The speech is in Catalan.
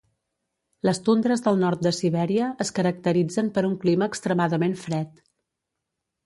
Les tundres del nord de Sibèria es caracteritzen per un clima extremadament fred.